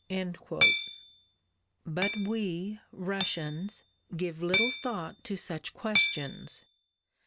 But we, Russians, give little thought to such questions.